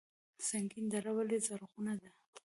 سنګین دره ولې زرغونه ده؟